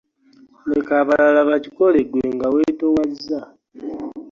Leka abalala bakikole ggwe nga wetoowaza.